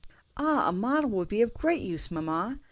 "Ah, a model would be of great use, mamma!"